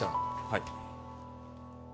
はい。